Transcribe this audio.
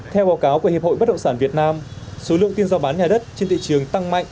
theo báo cáo của hiệp hội bất động sản việt nam số lượng tin do bán nhà đất trên thị trường tăng mạnh